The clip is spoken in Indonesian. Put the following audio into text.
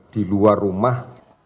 di luar rumah